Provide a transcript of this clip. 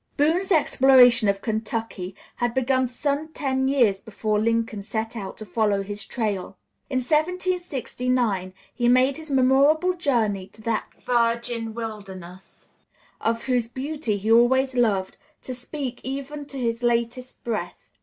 Boone's exploration of Kentucky had begun some ten years before Lincoln set out to follow his trail. In 1769 he made his memorable journey to that virgin wilderness of whose beauty he always loved to speak even to his latest breath.